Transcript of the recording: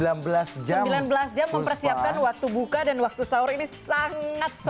sembilan belas jam mempersiapkan waktu buka dan waktu sahur ini sangat sangat